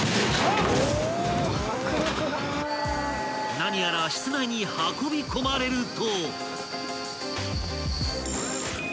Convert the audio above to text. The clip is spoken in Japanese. ［何やら室内に運び込まれると］